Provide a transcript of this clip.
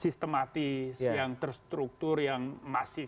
sistematis yang terstruktur yang masif